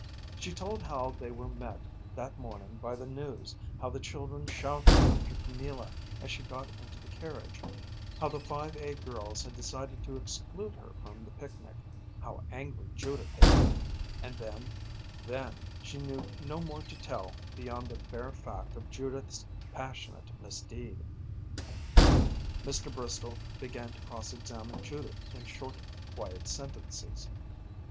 She told how they were met that morning by the news, how the children shouted after Camilla as she got into the carriage, how the Five A girls had decided to exclude her from the picnic, how angry Judith had been, and then then she knew no more to tell beyond the bare fact of Judith's passionate misdeed. Mr. Bristol began to cross examine Judith in short, quiet sentences.